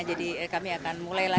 jadi kami akan mulailah